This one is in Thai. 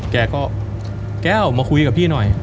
แกก็แก้วมาคุยกับพี่หน่อย